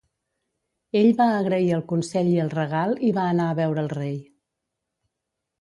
Ell va agrair el consell i el regal i va anar a veure el rei.